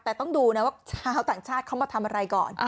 แต่ต้องดูนะว่าชาวต่างชาติเขามาทำอะไรก่อน